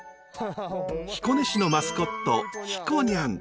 彦根市のマスコットひこにゃん。